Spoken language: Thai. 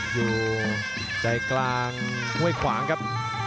อยู่ใจกลางห้วยขวางครับ